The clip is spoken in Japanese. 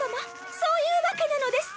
そういう訳なのです！